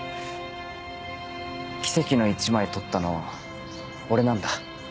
奇跡の一枚撮ったの俺なんだ。